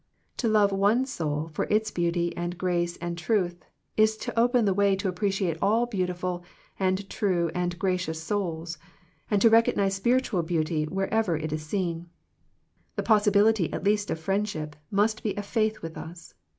To love one soul for its beauty and grace and truth is to open the way to appreciate all beautiful and true and gracious souls, and to recognize spiritual beauty wher ever it is seen. The possibility at least of friendship must be a faith with us.